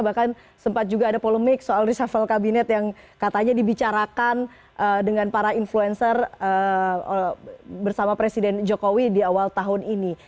bahkan sempat juga ada polemik soal reshuffle kabinet yang katanya dibicarakan dengan para influencer bersama presiden jokowi di awal tahun ini